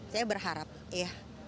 saya berharap ya